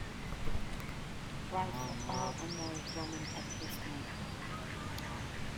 Right for all unmarried women at his time.